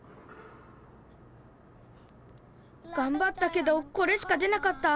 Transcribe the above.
がんばったけどこれしか出なかった。